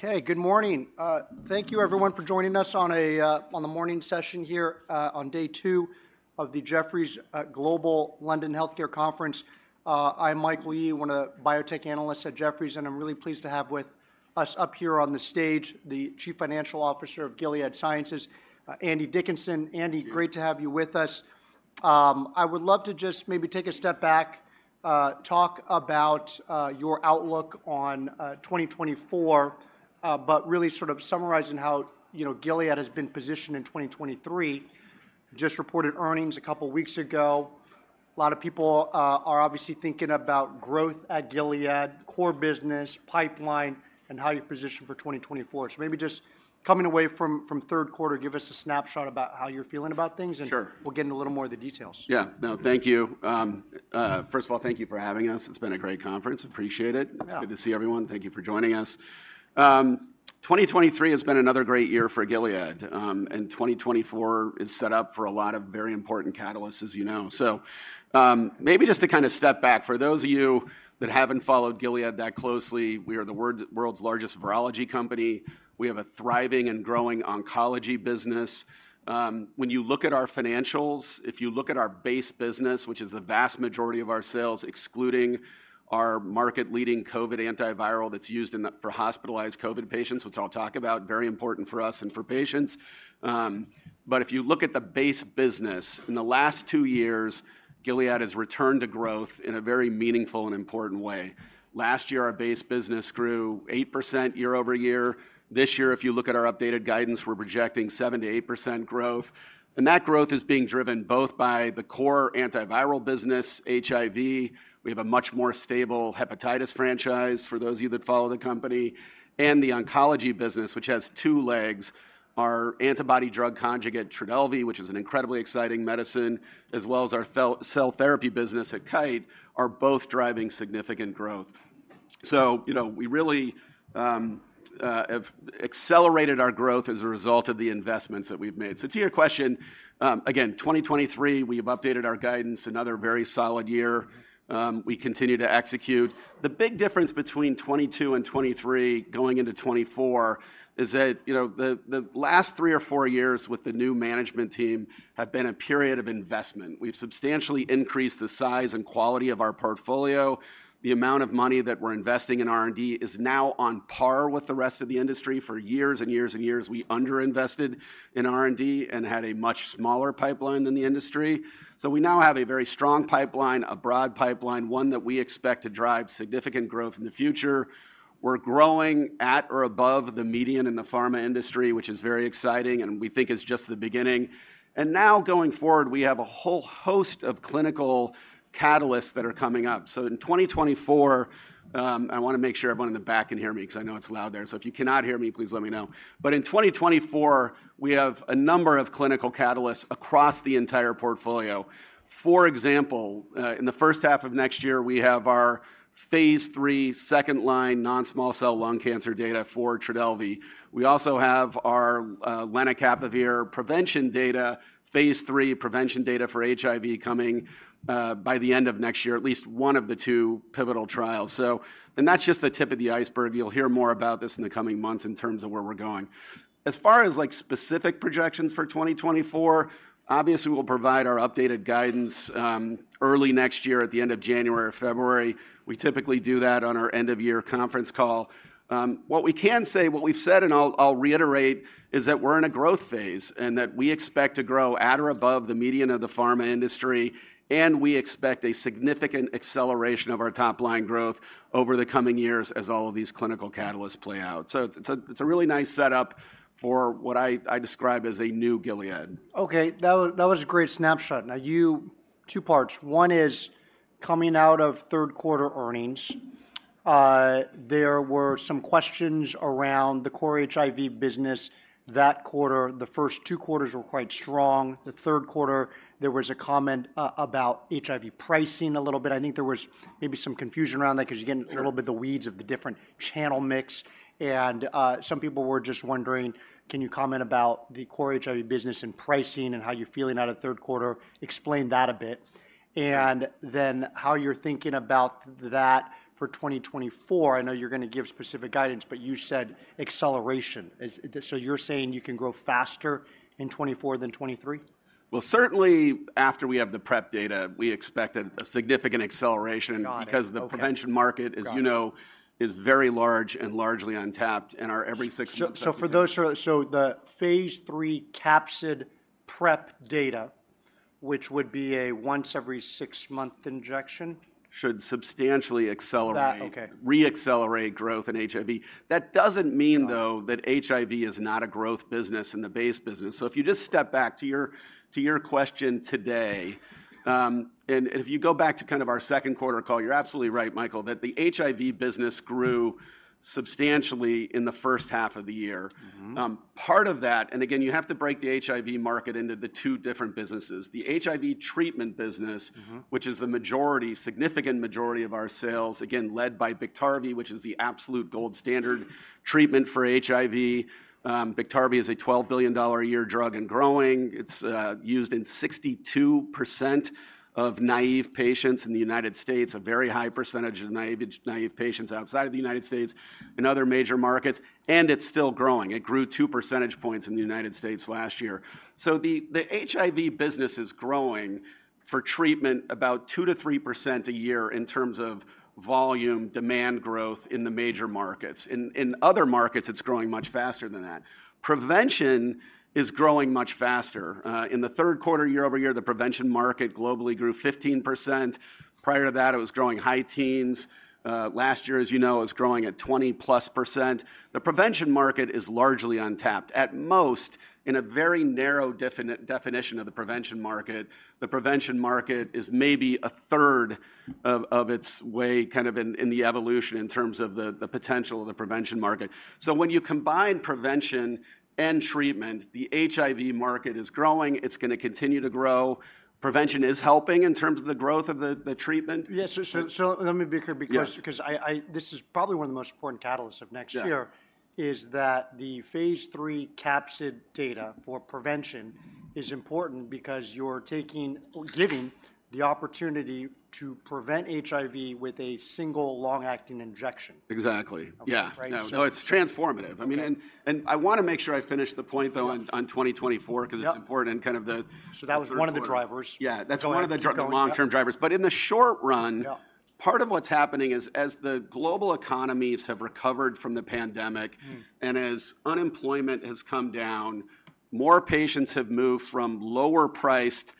Okay, good morning. Thank you everyone for joining us on the morning session here on day two of the Jefferies Global London Healthcare Conference. I'm Mike Yee, one of the biotech analysts at Jefferies, and I'm really pleased to have with us up here on the stage, the Chief Financial Officer of Gilead Sciences, Andy Dickinson. Andy. Thank you. Great to have you with us. I would love to just maybe take a step back, talk about your outlook on 2024, but really sort of summarizing how, you know, Gilead has been positioned in 2023. Just reported earnings a couple weeks ago. A lot of people are obviously thinking about growth at Gilead, core business, pipeline, and how you're positioned for 2024. So maybe just coming away from third quarter, give us a snapshot about how you're feeling about things- Sure. We'll get into a little more of the details. Yeah. No, thank you. First of all, thank you for having us. It's been a great conference. Appreciate it. Yeah. It's good to see everyone. Thank you for joining us. 2023 has been another great year for Gilead, and 2024 is set up for a lot of very important catalysts, as you know. So, maybe just to kind of step back, for those of you that haven't followed Gilead that closely, we are the world's largest virology company. We have a thriving and growing oncology business. When you look at our financials, if you look at our base business, which is the vast majority of our sales, excluding our market-leading COVID antiviral that's used in the, for hospitalized COVID patients, which I'll talk about, very important for us and for patients. But if you look at the base business, in the last two years, Gilead has returned to growth in a very meaningful and important way. Last year, our base business grew 8% year-over-year. This year, if you look at our updated guidance, we're projecting 7%-8% growth, and that growth is being driven both by the core antiviral business, HIV. We have a much more stable hepatitis franchise, for those of you that follow the company, and the oncology business, which has two legs, our antibody-drug conjugate, Trodelvy, which is an incredibly exciting medicine, as well as our cell therapy business at Kite, are both driving significant growth. So, you know, we really have accelerated our growth as a result of the investments that we've made. So to your question, again, 2023, we have updated our guidance, another very solid year. We continue to execute. The big difference between 2022 and 2023 going into 2024 is that, you know, the last three or four years with the new management team have been a period of investment. We've substantially increased the size and quality of our portfolio. The amount of money that we're investing in R&D is now on par with the rest of the industry. For years and years and years, we underinvested in R&D and had a much smaller pipeline than the industry. So we now have a very strong pipeline, a broad pipeline, one that we expect to drive significant growth in the future. We're growing at or above the median in the pharma industry, which is very exciting, and we think it's just the beginning. And now going forward, we have a whole host of clinical catalysts that are coming up. So in 2024, I want to make sure everyone in the back can hear me, because I know it's loud there. So if you cannot hear me, please let me know. But in 2024, we have a number of clinical catalysts across the entire portfolio. For example, in the first half of next year, we have our phase III second-line non-small cell lung cancer data for Trodelvy. We also have our lenacapavir prevention data, phase III prevention data for HIV coming by the end of next year, at least one of the two pivotal trials. So... And that's just the tip of the iceberg. You'll hear more about this in the coming months in terms of where we're going. As far as, like, specific projections for 2024, obviously, we'll provide our updated guidance early next year, at the end of January or February. We typically do that on our end-of-year conference call. What we can say, what we've said, and I'll reiterate, is that we're in a growth phase, and that we expect to grow at or above the median of the pharma industry, and we expect a significant acceleration of our top-line growth over the coming years as all of these clinical catalysts play out. So it's a really nice setup for what I describe as a new Gilead. Okay, that was, that was a great snapshot. Now, you two parts: one is, coming out of third quarter earnings, there were some questions around the core HIV business that quarter. The first two quarters were quite strong. The third quarter, there was a comment about HIV pricing a little bit. I think there was maybe some confusion around that because you get- Sure A little bit the weeds of the different channel mix, and, some people were just wondering, can you comment about the core HIV business and pricing and how you're feeling out of third quarter? Explain that a bit. Sure. Then how you're thinking about that for 2024. I know you're going to give specific guidance, but you said acceleration. So you're saying you can grow faster in 2024 than 2023? Well, certainly after we have the PrEP data, we expect a significant acceleration- Got it. Okay. Because the prevention market- Got it As you know, is very large and largely untapped, and our every six months- So, for those who are, the phase III capsid PrEP data, which would be a once every six-month injection? Should substantially accelerate- That, okay Re-accelerate growth in HIV. That doesn't mean, though, that HIV is not a growth business in the base business. So if you just step back to your, to your question today, and if you go back to kind of our second quarter call, you're absolutely right, Michael, that the HIV business grew substantially in the first half of the year. Mm-hmm. Part of that, and again, you have to break the HIV market into the two different businesses. The HIV treatment business- Mm-hmm. Which is the majority, significant majority of our sales, again, led by Biktarvy, which is the absolute gold standard treatment for HIV. Biktarvy is a $12 billion a year drug and growing. It's used in 62% of naive patients in the United States, a very high percentage of naive, naive patients outside of the United States and other major markets, and it's still growing. It grew two percentage points in the United States last year. So the HIV business is growing for treatment about 2%-3% a year in terms of volume demand growth in the major markets. In other markets, it's growing much faster than that. Prevention is growing much faster. In the third quarter, year over year, the prevention market globally grew 15%. Prior to that, it was growing high teens. Last year, as you know, it was growing at 20%+. The prevention market is largely untapped. At most, in a very narrow definite definition of the prevention market, the prevention market is maybe a third of its way, kind of in the evolution in terms of the potential of the prevention market. So when you combine prevention and treatment, the HIV market is growing. It's going to continue to grow. Prevention is helping in terms of the growth of the treatment. Yes, so let me be clear- Yes. Because this is probably one of the most important catalysts of next year- Yeah Is that the phase III capsid data for prevention is important because you're taking or giving the opportunity to prevent HIV with a single long-acting injection. Exactly. Okay. Yeah. Right, so- No, it's transformative. Okay. I mean, and I want to make sure I finish the point, though. Yeah on 2024- Yeah because it's important, kind of the- That was one of the drivers. Yeah. Go ahead. That's one of the long-term drivers. But in the short run- Yeah Part of what's happening is, as the global economies have recovered from the pandemic. Mm As unemployment has come down, more patients have moved from lower-priced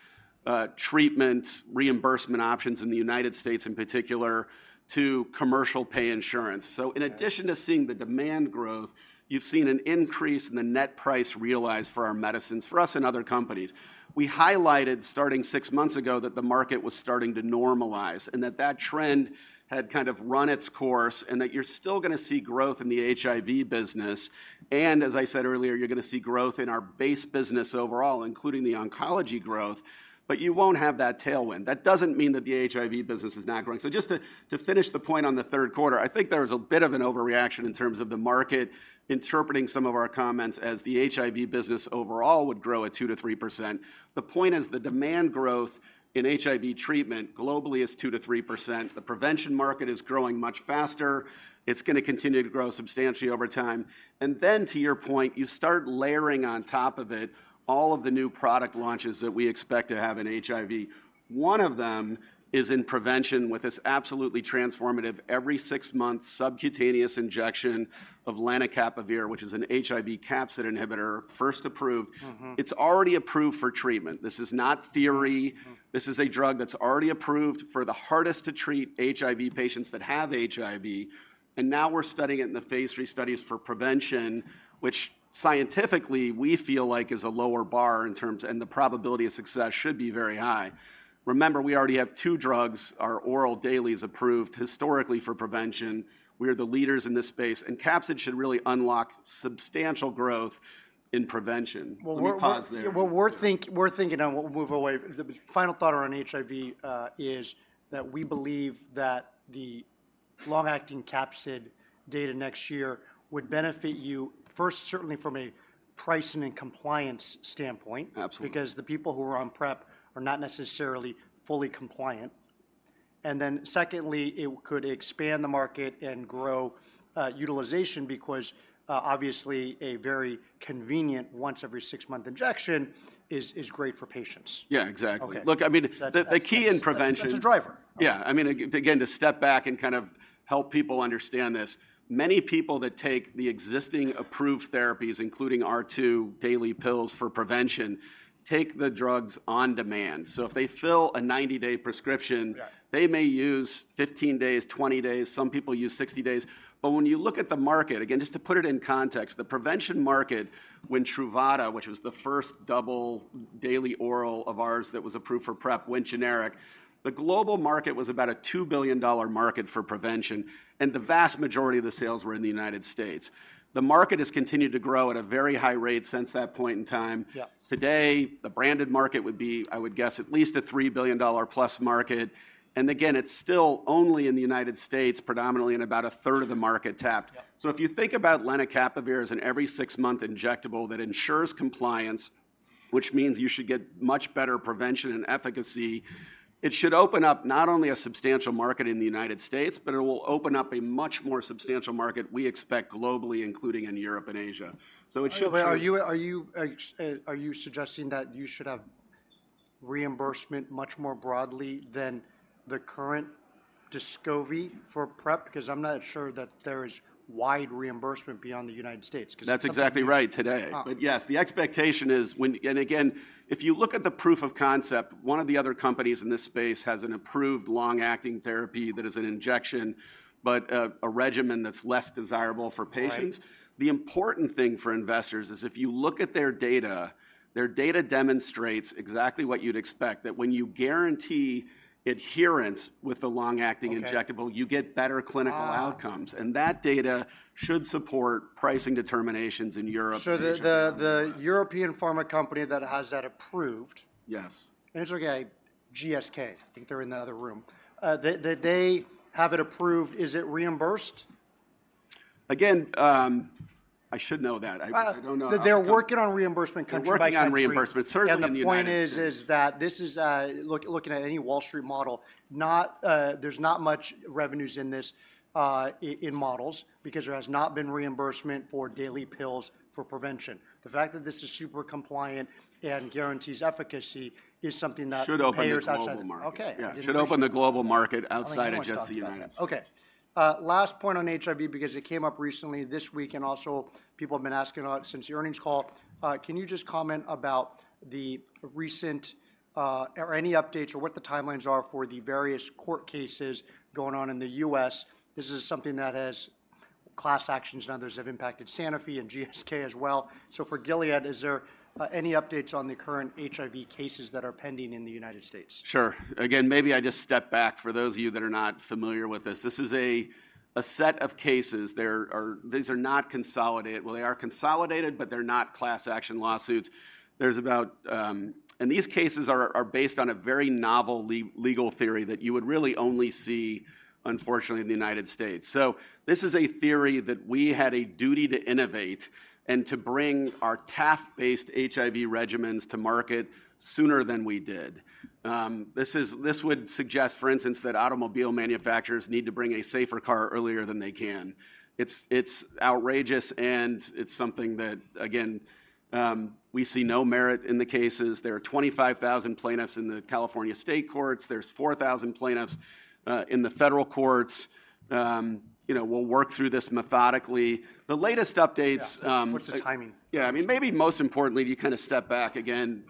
treatment reimbursement options in the United States, in particular, to commercial pay insurance. Right. So in addition to seeing the demand growth, you've seen an increase in the net price realized for our medicines, for us and other companies. We highlighted, starting six months ago, that the market was starting to normalize, and that that trend had kind of run its course, and that you're still going to see growth in the HIV business. And as I said earlier, you're going to see growth in our base business overall, including the oncology growth, but you won't have that tailwind. That doesn't mean that the HIV business is not growing. So just to finish the point on the third quarter, I think there was a bit of an overreaction in terms of the market interpreting some of our comments as the HIV business overall would grow at 2%-3%. The point is, the demand growth in HIV treatment globally is 2%-3%. The prevention market is growing much faster. It's going to continue to grow substantially over time. And then, to your point, you start layering on top of it all of the new product launches that we expect to have in HIV. One of them is in prevention with this absolutely transformative every six months subcutaneous injection of lenacapavir, which is an HIV capsid inhibitor, first approved. Mm-hmm. It's already approved for treatment. This is not theory. Mm. This is a drug that's already approved for the hardest to treat HIV patients that have HIV, and now we're studying it in the phase III studies for prevention, which scientifically, we feel like is a lower bar in terms. The probability of success should be very high. Remember, we already have two drugs, our oral dailies, approved historically for prevention. We are the leaders in this space, and capsid should really unlock substantial growth in prevention. Well, we- Let me pause there. Well, we're thinking, and we'll move away. The final thought around HIV is that we believe that the long-acting capsid data next year would benefit you first, certainly from a pricing and compliance standpoint. Absolutely Because the people who are on PrEP are not necessarily fully compliant. And then secondly, it could expand the market and grow utilization because, obviously, a very convenient once every six-month injection is great for patients. Yeah, exactly. Okay. Look, I mean, the key in prevention- That's a driver. Yeah, I mean, again, to step back and kind of help people understand this, many people that take the existing approved therapies, including our two daily pills for prevention, take the drugs on demand. So if they fill a 90-day prescription- Yeah They may use 15 days, 20 days, some people use 60 days. But when you look at the market, again, just to put it in context, the prevention market when Truvada, which was the first double daily oral of ours that was approved for PrEP, went generic, the global market was about a $2 billion market for prevention, and the vast majority of the sales were in the United States. The market has continued to grow at a very high rate since that point in time. Yeah. Today, the branded market would be, I would guess, at least a $3 billion-plus market, and again, it's still only in the United States, predominantly in about a third of the market tapped. Yeah. So if you think about lenacapavir as an every six-month injectable that ensures compliance, which means you should get much better prevention and efficacy, it should open up not only a substantial market in the United States, but it will open up a much more substantial market, we expect, globally, including in Europe and Asia. So it should- Are you suggesting that you should have reimbursement much more broadly than the current Descovy for PrEP, because I'm not sure that there's wide reimbursement beyond the United States. 'Cause- That's exactly right today. Uh. But yes, the expectation is when. And again, if you look at the proof of concept, one of the other companies in this space has an approved long-acting therapy that is an injection, but a regimen that's less desirable for patients. Right. The important thing for investors is, if you look at their data, their data demonstrates exactly what you'd expect, that when you guarantee adherence with the long-acting. Okay Injectable, you get better clinical outcomes. Ah. That data should support pricing determinations in Europe- So the European pharma company that has that approved- Yes. It's okay, GSK, I think they're in the other room. They have it approved. Is it reimbursed? Again, I should know that. Well- I don't know- They're working on reimbursement country by country. They're working on reimbursement, certainly in the United States. The point is, is that this is, looking at any Wall Street model, not, there's not much revenues in this, in models because there has not been reimbursement for daily pills for prevention. The fact that this is super compliant and guarantees efficacy is something that- Should open the global market.... payers outside. Okay. Yeah, should open the global market outside of just the United States. Okay. Last point on HIV, because it came up recently this week, and also people have been asking about it since the earnings call. Can you just comment about the recent, or any updates or what the timelines are for the various court cases going on in the U.S.? This is something that has class actions and others have impacted Sanofi and GSK as well. So for Gilead, is there any updates on the current HIV cases that are pending in the United States? Sure. Again, maybe I just step back for those of you that are not familiar with this. This is a set of cases. There are. These are not consolidated. Well, they are consolidated, but they're not class action lawsuits. There's about. These cases are based on a very novel legal theory that you would really only see, unfortunately, in the United States. So this is a theory that we had a duty to innovate and to bring our TAF-based HIV regimens to market sooner than we did. This would suggest, for instance, that automobile manufacturers need to bring a safer car earlier than they can. It's outrageous, and it's something that, again, we see no merit in the cases. There are 25,000 plaintiffs in the California state courts. There's 4,000 plaintiffs in the federal courts. You know, we'll work through this methodically. The latest updates, Yeah. What's the timing? Yeah, I mean, maybe most importantly, if you kind of step back again,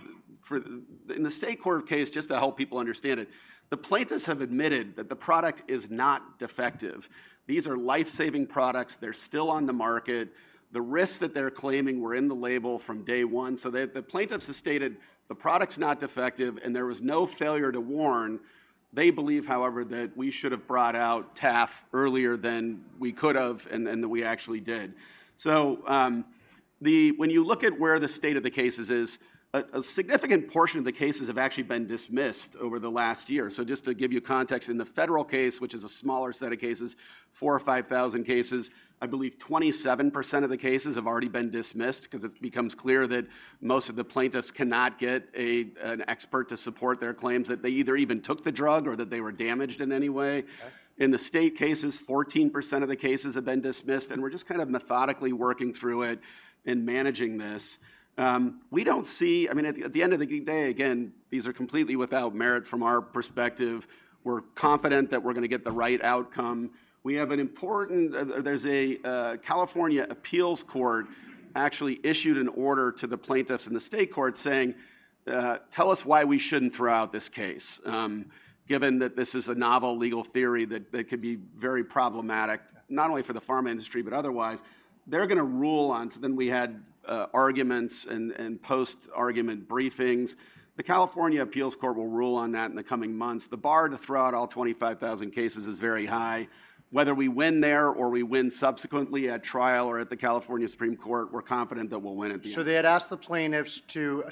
in the state court case, just to help people understand it, the plaintiffs have admitted that the product is not defective. These are life-saving products. They're still on the market. The risks that they're claiming were in the label from day one. So the plaintiffs have stated the product's not defective, and there was no failure to warn. They believe, however, that we should have brought out TAF earlier than we could have and than we actually did. So, when you look at where the state of the cases is, a significant portion of the cases have actually been dismissed over the last year. Just to give you context, in the federal case, which is a smaller set of cases, 4,000-5,000 cases, I believe 27% of the cases have already been dismissed because it becomes clear that most of the plaintiffs cannot get an expert to support their claims, that they either even took the drug or that they were damaged in any way. Okay. In the state cases, 14% of the cases have been dismissed, and we're just kind of methodically working through it and managing this. We don't see—I mean, at the end of the day, again, these are completely without merit from our perspective. We're confident that we're gonna get the right outcome. We have an important... There's a California appeals court actually issued an order to the plaintiffs in the state court saying, "Tell us why we shouldn't throw out this case," given that this is a novel legal theory that could be very problematic. Yeah Not only for the pharma industry but otherwise. They're gonna rule on. So then we had arguments and post-argument briefings. The California appeals court will rule on that in the coming months. The bar to throw out all 25,000 cases is very high. Whether we win there or we win subsequently at trial or at the California Supreme Court, we're confident that we'll win at the end. So they had asked the plaintiffs to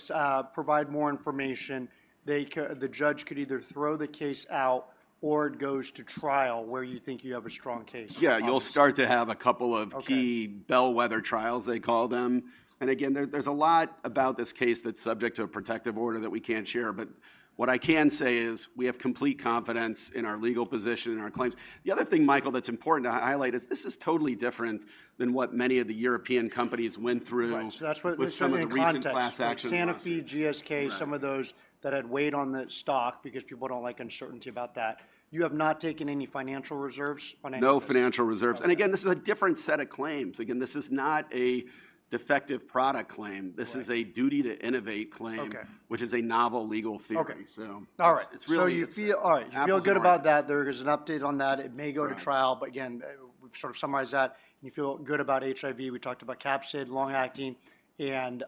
provide more information. The judge could either throw the case out, or it goes to trial, where you think you have a strong case? Yeah. Obviously. You'll start to have a couple of key- Okay... bellwether trials, they call them. And again, there, there's a lot about this case that's subject to a protective order that we can't share. But what I can say is we have complete confidence in our legal position and our claims. The other thing, Michael, that's important to highlight is this is totally different than what many of the European companies went through- Right. So that's what- With some of the recent class action lawsuits Sanofi, GSK- Right Some of those that had weighed on the stock because people don't like uncertainty about that. You have not taken any financial reserves on any- No financial reserves. Uh. And again, this is a different set of claims. Again, this is not a defective product claim. Right. This is a duty to innovate claim. Okay... which is a novel legal theory. Okay. So- All right... it's really- So you feel- It happens more. All right, you feel good about that. There is an update on that. Right. It may go to trial, but again, we've sort of summarized that. You feel good about HIV. We talked about capsid, long-acting, and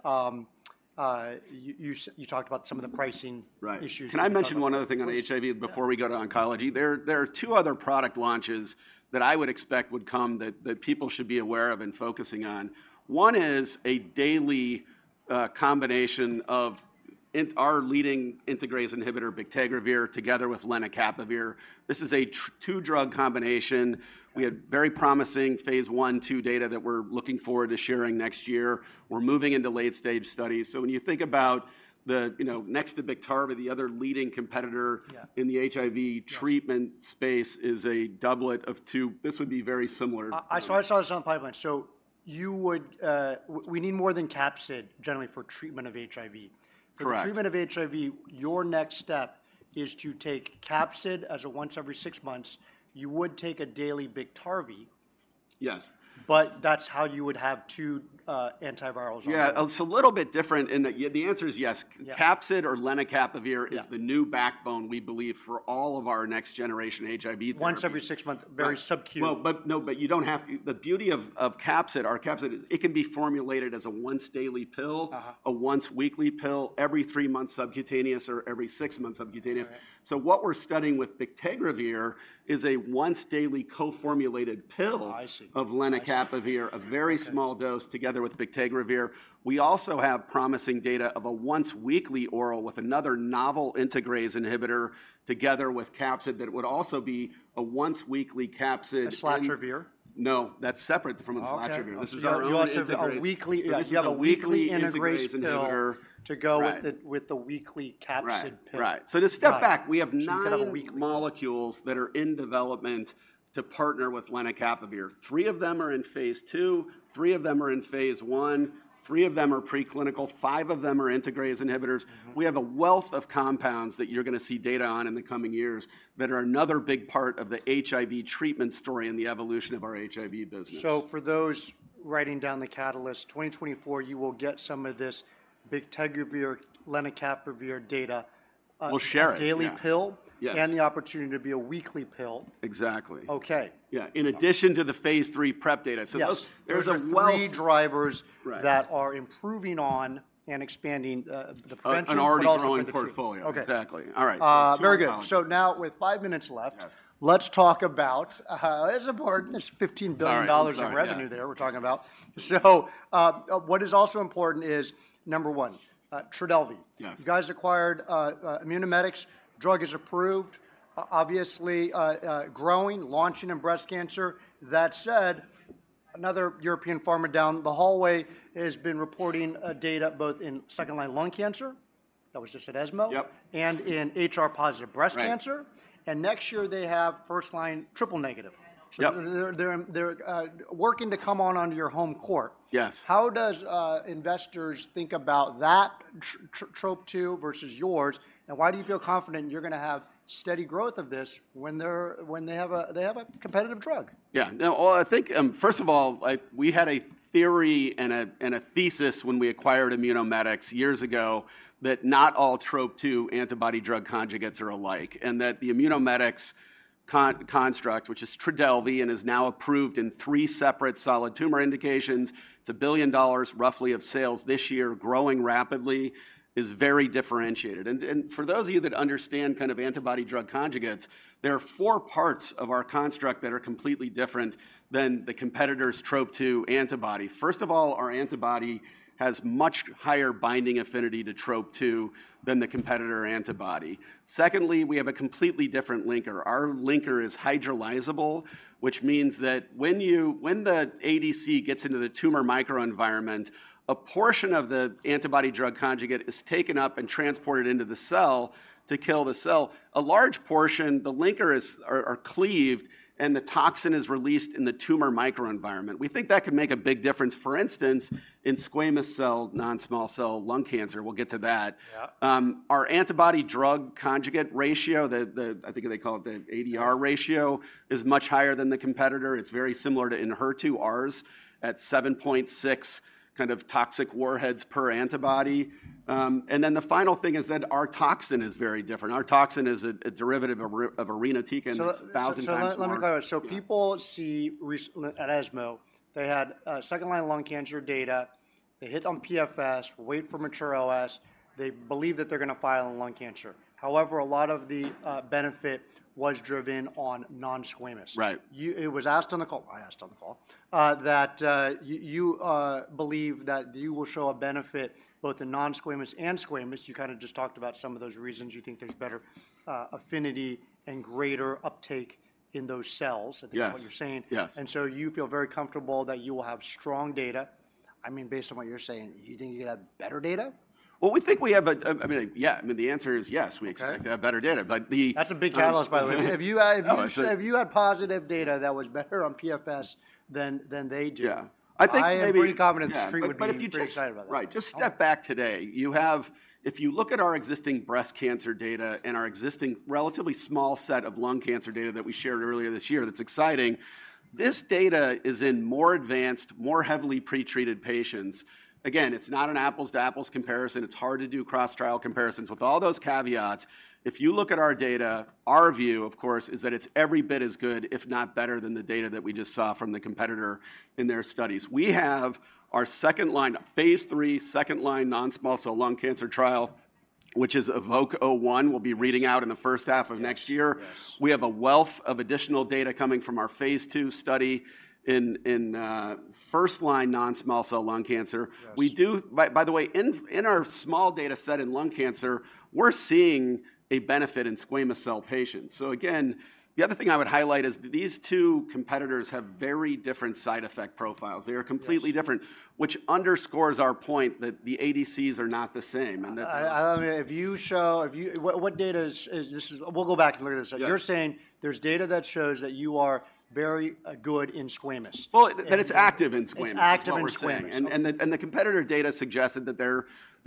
you talked about some of the pricing- Right... issues. Can I mention one other thing on HIV? Yeah... before we go to oncology? Sure. There are two other product launches that I would expect would come that people should be aware of and focusing on. One is a daily combination of our leading integrase inhibitor bictegravir together with lenacapavir. This is a two-drug combination. We had very promising phase I and phase II data that we're looking forward to sharing next year. We're moving into late-stage studies. So when you think about the, you know, next to Biktarvy, the other leading competitor- Yeah... in the HIV- Yeah... treatment space is a doublet of two. This would be very similar. I saw this on the pipeline. So you would, we need more than capsid generally for treatment of HIV. Correct. For the treatment of HIV, your next step is to take lenacapavir as a once every six months. You would take a daily Biktarvy. Yes. But that's how you would have two antivirals on. Yeah. It's a little bit different in that, yeah, the answer is yes. Yeah. capsid or lenacapavir- Yeah Is the new backbone we believe for all of our next generation HIV therapy. Once every six months, very subcutaneous. Well, but no, you don't have to... The beauty of capsid, our capsid, it can be formulated as a once-daily pill- Uh-huh A once weekly pill, every three months subcutaneous, or every six months subcutaneous. All right. What we're studying with bictegravir is a once daily co-formulated pill- I see - of lenacapavir I see. Okay A very small dose together with bictegravir. We also have promising data of a once weekly oral with another novel integrase inhibitor together with capsid that would also be a once weekly capsid- islatravir? No, that's separate from islatravir. Okay. This is our own integrase. So a weekly- Yeah. You have a weekly integrase inhibitor- Weekly integrase inhibitor. To go with the- Right... with the weekly capsid pill. Right. Right. Right. So to step back- So you've got a weekly. We have nine molecules that are in development to partner with lenacapavir. Three of them are in phase II, three of them are in phase I, three of them are preclinical, five of them are integrase inhibitors. Mm-hmm. We have a wealth of compounds that you're going to see data on in the coming years, that are another big part of the HIV treatment story and the evolution of our HIV business. For those writing down the catalyst, 2024, you will get some of this bictegravir, lenacapavir data. We'll share it. Daily pill? Yes. The opportunity to be a weekly pill. Exactly. Okay. Yeah. In addition to the phase III PrEP data. Yes. So those, there's a world- There are three drivers- Right... that are improving on and expanding, the prevention- An already growing portfolio. Okay. Exactly. All right. Uh- So it's very powerful.... very good. So now, with five minutes left- Yes... let's talk about, as important, there's $15 billion- Sorry... dollars in revenue there- Yeah... we're talking about. So, what is also important is, number one, Trodelvy. Yes. You guys acquired Immunomedics. Drug is approved, obviously, growing, launching in breast cancer. That said, another European pharma down the hallway has been reporting data both in second-line lung cancer, that was just at ESMO- Yep... and in HR-positive breast cancer. Right. Next year, they have first-line triple-negative. Yep. So they're working to come onto your home court. Yes. How does investors think about that Trop-2 versus yours? And why do you feel confident you're going to have steady growth of this when they have a competitive drug? Yeah. Now, well, I think, first of all, we had a theory and a thesis when we acquired Immunomedics years ago, that not all Trop-2 antibody-drug conjugates are alike, and that the Immunomedics construct, which is Trodelvy, and is now approved in three separate solid tumor indications. It's $1 billion, roughly, of sales this year, growing rapidly, is very differentiated. And, for those of you that understand kind of antibody-drug conjugates, there are four parts of our construct that are completely different than the competitor's Trop-2 antibody. First of all, our antibody has much higher binding affinity to Trop-2 than the competitor antibody. Secondly, we have a completely different linker. Our linker is hydrolyzable, which means that when the ADC gets into the tumor microenvironment, a portion of the antibody-drug conjugate is taken up and transported into the cell to kill the cell. A large portion, the linkers are cleaved, and the toxin is released in the tumor microenvironment. We think that could make a big difference, for instance, in squamous cell non-small cell lung cancer. We'll get to that. Yeah. Our antibody-drug conjugate ratio, the, I think they call it the ADR ratio, is much higher than the competitor. It's very similar to Enhertu, ours at 7.6 kind of toxic warheads per antibody. And then the final thing is that our toxin is very different. Our toxin is a derivative of irinotecan- So-... 1,000 times more... so let me clarify. Yeah. So people see at ESMO, they had second-line lung cancer data. They hit on PFS, wait for mature OS. They believe that they're going to file on lung cancer. However, a lot of the benefit was driven on non-squamous. Right. It was asked on the call. I asked on the call that you believe that you will show a benefit both in non-squamous and squamous. You kind of just talked about some of those reasons. You think there's better affinity and greater uptake in those cells. Yes I think that's what you're saying. Yes. And so you feel very comfortable that you will have strong data. I mean, based on what you're saying, you think you're going to have better data? Well, we think we have a, I mean, yeah, I mean, the answer is yes- Okay We expect to have better data. But the- That's a big catalyst, by the way. If you have- No, it's- If you had positive data that was better on PFS than they do- Yeah. I think maybe- I am pretty confident the street would be- Yeah... pretty excited about that. Right. Uh- Just step back today. You have. If you look at our existing breast cancer data and our existing relatively small set of lung cancer data that we shared earlier this year, that's exciting. This data is in more advanced, more heavily pretreated patients. Again, it's not an apples to apples comparison. It's hard to do cross-trial comparisons. With all those caveats, if you look at our data, our view, of course, is that it's every bit as good, if not better, than the data that we just saw from the competitor in their studies. We have our second line, phase III, second line, non-small cell lung cancer trial, which is EVOKE-01, will be reading out in the first half of next year. Yes. Yes. We have a wealth of additional data coming from our phase II study in first-line non-small cell lung cancer. Yes. By the way, in our small data set in lung cancer, we're seeing a benefit in squamous cell patients. So again, the other thing I would highlight is these two competitors have very different side effect profiles. Yes. They are completely different, which underscores our point that the ADCs are not the same, and that- I mean, if you show what data is this. We'll go back and look at this. Yeah. You're saying there's data that shows that you are very, good in squamous? Well, that it's active in squamous- It's active in squamous. That's what we're saying. And the competitor data suggested that their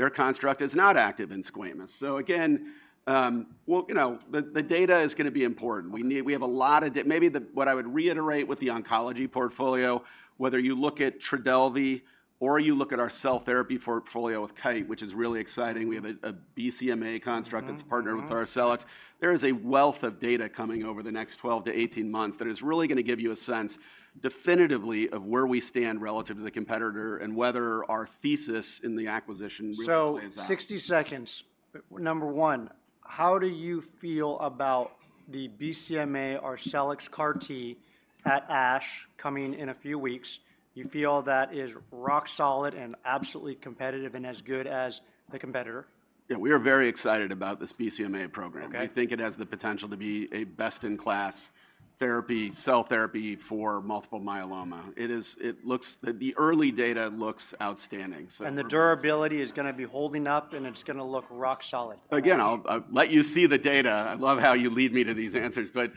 construct is not active in squamous. So again, well, you know, the data is going to be important. We have a lot of data. Maybe what I would reiterate with the oncology portfolio, whether you look at Trodelvy or you look at our cell therapy portfolio with Kite, which is really exciting. We have a BCMA construct- Mm-hmm... that's partnered with Arcellx. There is a wealth of data coming over the next 12-18 months that is really going to give you a sense, definitively, of where we stand relative to the competitor, and whether our thesis in the acquisition really plays out. 60 seconds. Number one, how do you feel about the BCMA Arcellx CAR T at ASH, coming in a few weeks? You feel that is rock solid and absolutely competitive, and as good as the competitor? Yeah, we are very excited about this BCMA program. Okay. We think it has the potential to be a best-in-class therapy, cell therapy for multiple myeloma. It looks, the early data looks outstanding, so- The durability is going to be holding up, and it's going to look rock solid? Again, I'll let you see the data. I love how you lead me to these answers. But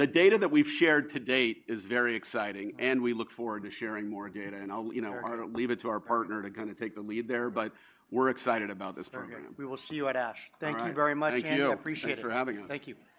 the data that we've shared to date is very exciting, and we look forward to sharing more data. And I'll, you know- Okay Leave it to our partner to kind of take the lead there, but we're excited about this program. Okay. We will see you at ASH. All right. Thank you very much, Andy. Thank you. I appreciate it. Thanks for having us. Thank you.